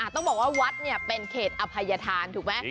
ต้องบอกว่าวัดเป็นเขตอภัยธานถูกไหม